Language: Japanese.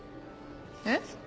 えっ？